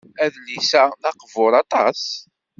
Adlis-a d aqbur aṭas.